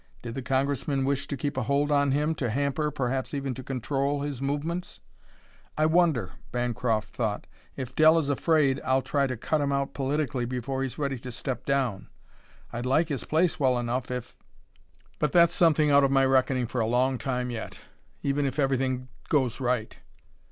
Did the Congressman wish to keep a hold on him to hamper, perhaps even to control, his movements? "I wonder," Bancroft thought, "if Dell is afraid I'll try to cut him out politically before he's ready to step down. I'd like his place well enough if but that's something out of my reckoning for a long time yet, even if everything goes right."